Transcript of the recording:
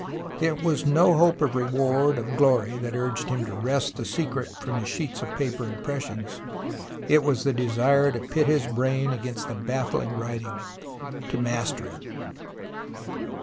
It was no hope of reward, of glory, that urged him to wrest the secret from his sheets of paper impressions. It was the desire to pit his brain against the baffling writing, to master it.